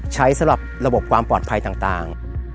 สำหรับระบบความปลอดภัยต่าง